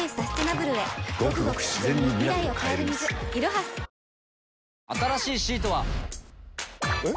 はぁ新しいシートは。えっ？